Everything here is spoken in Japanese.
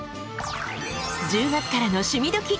１０月からの「趣味どきっ！」